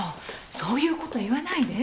そういうこと言わないで。